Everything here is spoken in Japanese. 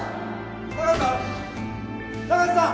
中瀬さん！